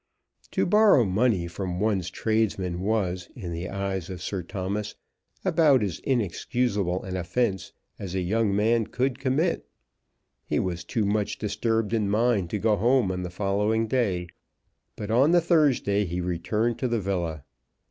To borrow money from one's tradesman was, in the eyes of Sir Thomas, about as inexcusable an offence as a young man could commit. He was too much disturbed in mind to go home on the following day, but on the Thursday he returned to the villa.